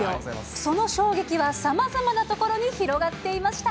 その衝撃はさまざまなところに広がっていました。